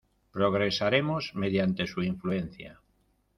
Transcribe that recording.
Progresaremos mediante su influencia.